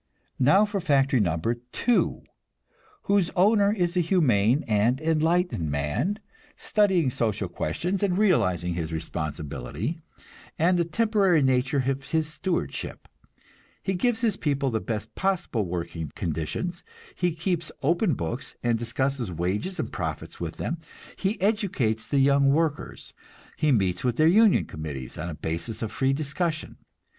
Now for factory number two, whose owner is a humane and enlightened man, studying social questions and realizing his responsibility, and the temporary nature of his stewardship. He gives his people the best possible working conditions, he keeps open books and discusses wages and profits with them, he educates the young workers, he meets with their union committees on a basis of free discussion.